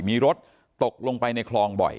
มีรถตกลงไปในคลองบ่อย